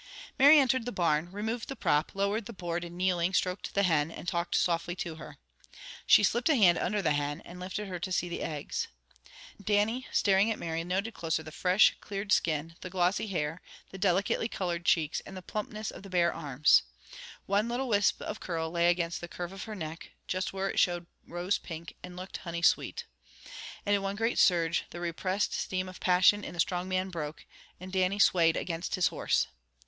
Mary entered the barn, removed the prop, lowered the board, and kneeling, stroked the hen, and talked softly to her. She slipped a hand under the hen, and lifted her to see the eggs. Dannie staring at Mary noted closer the fresh, cleared skin, the glossy hair, the delicately colored cheeks, and the plumpness of the bare arms. One little wisp of curl lay against the curve of her neck, just where it showed rose pink, and looked honey sweet. And in one great surge, the repressed stream of passion in the strong man broke, and Dannie swayed against his horse.